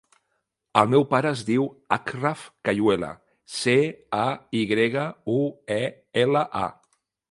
El meu pare es diu Achraf Cayuela: ce, a, i grega, u, e, ela, a.